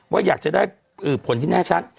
ว่าอยากจะได้ผลที่แน่ชัด